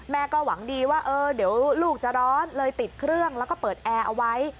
หวังดีว่าเออเดี๋ยวลูกจะร้อนเลยติดเครื่องแล้วก็เปิดแอร์เอาไว้